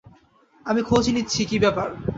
আমি খোঁজ নিচ্ছি কী ব্যাপার।